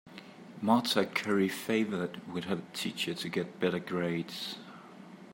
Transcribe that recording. Marta curry favored with her teacher to get better grades.